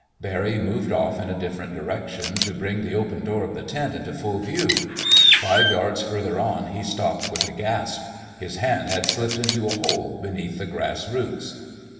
Barry moved off in a different direction, to bring the open door of the tent into full view. Five yards further on he stopped with a gasp. His hand had slipped into a hole, beneath the grass roots.